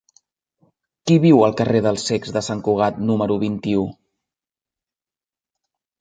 Qui viu al carrer dels Cecs de Sant Cugat número vint-i-u?